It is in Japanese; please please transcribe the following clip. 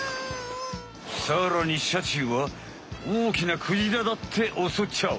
さらにシャチは大きなクジラだっておそっちゃう。